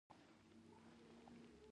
په بایللو کې شرم نشته دا یو حقیقت دی.